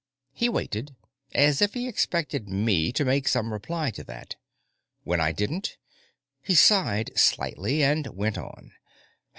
He waited, as if he expected me to make some reply to that. When I didn't, he sighed slightly and went on.